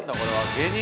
芸人？